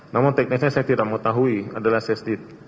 namun teknisnya saya tidak mau tahu adalah sesdit